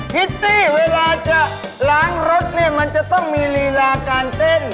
พิตตี้เวลาจะล้างรถเนี่ยมันจะต้องมีลีลาการเต้น